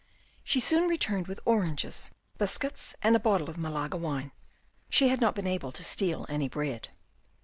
She soon returned with oranges, biscuits and a bottle of Malaga wine. She had not been able to steal any bread.